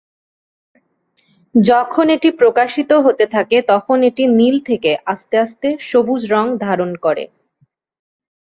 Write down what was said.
যখন এটি প্রকাশিত হতে থাকে তখন এটি নীল থেকে আস্তে আস্তে সবুজ রঙ ধারণ করে।